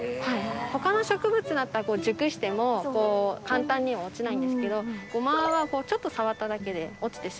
他の植物だったら熟しても簡単には落ちないんですけどごまはちょっと触っただけで落ちてしまうので。